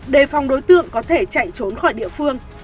đề phòng đối tượng có thể chạy trốn khỏi địa phương